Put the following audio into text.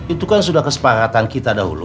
itu kan sudah kesepakatan kita dahulu